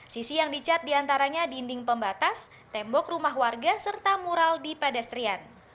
sisi yang dicat diantaranya dinding pembatas tembok rumah warga serta mural di pedestrian